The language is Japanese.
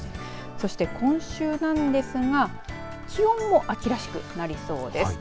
そして今週なんですが気温も秋らしくなりそうです。